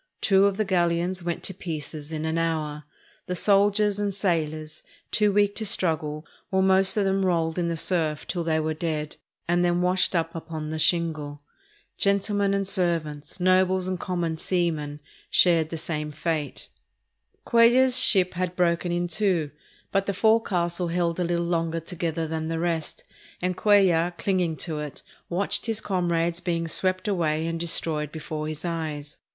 Two of the galleons went to pieces in an hour. The soldiers and sailors, too weak to struggle, were most of them rolled in the surf till they were dead, and then washed up upon the shingle. Gentlemen and servants, nobles and common seamen, shared the same fate. Cuellar's ship had broken in two, but the forecastle held a little longer together than the rest, and Cuellar, clinging to it, watched his comrades being swept away and destroyed before his eyes.